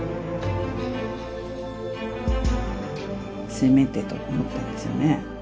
せめてと思ったんですよね。